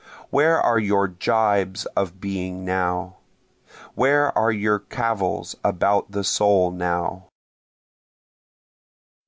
Where are your jibes of being now? Where are your cavils about the soul now?